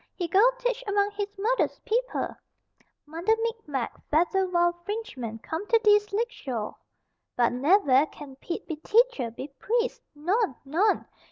He go teach among he's mudder's people. Mudder Micmac, fadder wild Frinchman come to dees lakeshore. But nev air can Pete be Teacher, be priest. Non, non!